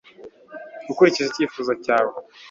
Ukurikije icyifuzo cyawe